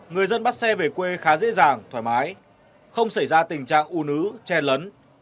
người dân bắt xe về quê khá dễ dàng thoải mái không xảy ra tình trạng u nứ che lấn